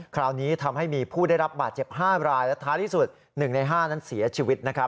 คราวนี้ทำให้มีผู้ได้รับบาดเจ็บ๕รายและท้ายที่สุด๑ใน๕นั้นเสียชีวิต